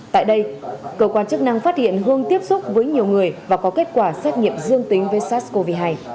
tại đây cơ quan chức năng phát hiện hương tiếp xúc với nhiều người và có kết quả xét nghiệm dương tính với sars cov hai